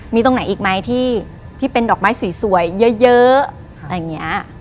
มีตรงไหนอีกไหมที่เป็นดอกไม้สวยเยอะอะไรอย่างนี้